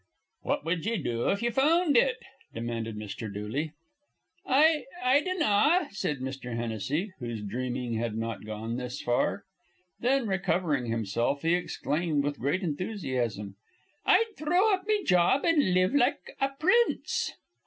"What wud ye do if ye found it?" demanded Mr. Dooley. "I I dinnaw," said Mr. Hennessy, whose dreaming had not gone this far. Then, recovering himself, he exclaimed with great enthusiasm, "I'd throw up me job an' an' live like a prince."